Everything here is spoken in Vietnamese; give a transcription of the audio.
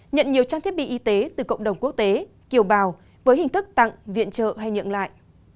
nhận nhiều trang thiết bị y tế từ cộng đồng quốc tế kiều bào với hình thức tặng viện trợ hay nhận lại